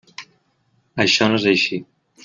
Això no és així.